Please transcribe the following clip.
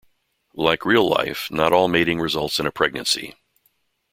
Like real life, not all mating results in a pregnancy.